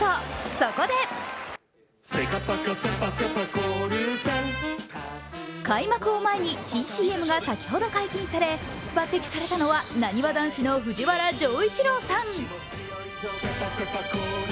そこで開幕を前に新ＣＭが先ほど解禁され、抜てきされたのはなにわ男子の藤原丈一郎さん。